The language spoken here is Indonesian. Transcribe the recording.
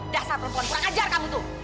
dasar perempuan kurang ajar kamu tuh